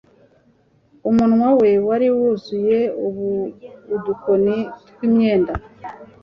umunwa we wari wuzuye udukoni twimyenda